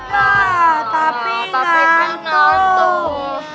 wah tapi ngantuk